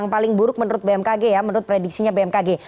yang paling buruk menurut bmkg ya menurut prediksinya bmkg